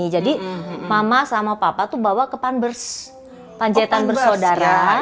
jadi mama sama papa tuh bawa ke panjaitan bersaudara